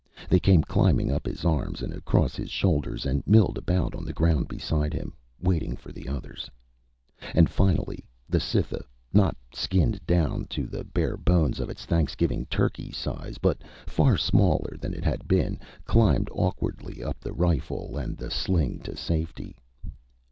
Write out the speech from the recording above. They came climbing up his arms and across his shoulders and milled about on the ground beside him, waiting for the others. And finally the Cytha, not skinned down to the bare bones of its Thanksgiving turkey size, but far smaller than it had been, climbed awkwardly up the rifle and the sling to safety.